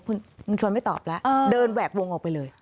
คุณชวนไม่ตอบแล้วเดินแหวกวงออกไปเลย